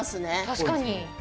確かに。